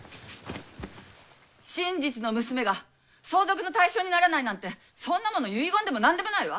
真実の娘が相続の対象にならないなんてそんなもの遺言でもなんでもないわ。